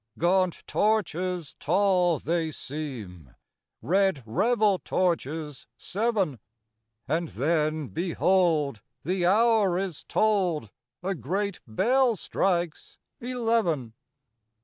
Gaunt torches tall they seem, Red revel torches seven; And then, behold! the hour is tolled; A great bell strikes eleven.